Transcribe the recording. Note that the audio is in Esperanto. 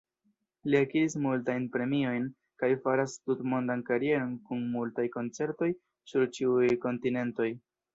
Li akiris multajn premiojn kaj faras tutmondan karieron kun multaj koncertoj sur ĉiuj kontinentoj.